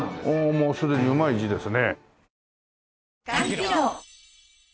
もうすでにうまい字ですね。